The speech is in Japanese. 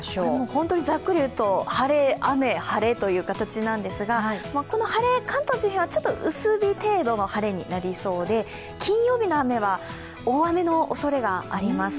本当にざっくりいうと晴れ、雨、晴れという形なんですがこの晴れ、関東周辺は薄日程度の晴れになりそうで金曜日の雨は、大雨のおそれがあります。